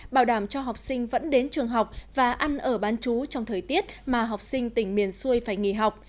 bảo đảm cho học sinh vẫn đến trường học và ăn ở bán chú trong thời tiết mà học sinh tỉnh miền xuôi phải nghỉ học